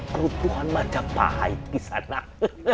kerubuhan majapahit kisanak